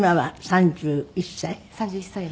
３１歳です。